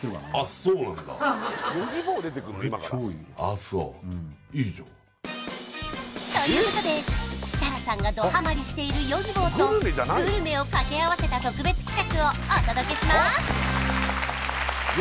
あそういいじゃんということで設楽さんがどハマりしているＹｏｇｉｂｏとグルメを掛け合わせた特別企画をお届けします